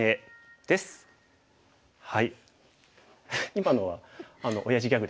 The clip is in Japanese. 今のはおやじギャグですか？